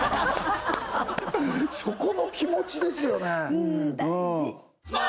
そこの気持ちですよね